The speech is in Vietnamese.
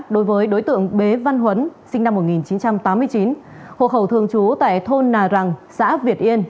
đối với đối tượng bế văn huấn sinh năm một nghìn chín trăm tám mươi chín hộ khẩu thường trú tại thôn nà rẳng xã việt yên